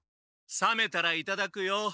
冷めたらいただくよ。